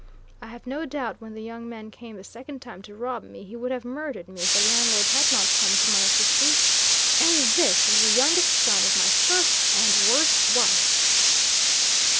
I have no doubt, when the young man came the second time to rob me, he would have murdered me, if the landlord had not come to my assistance. And this was the youngest son of my first and worst wife!!